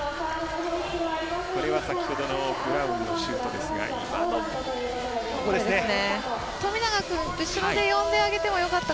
これは、先ほどのブラウンのシュートでした。